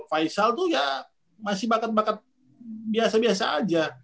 faisal tuh ya masih bakat bakat biasa biasa aja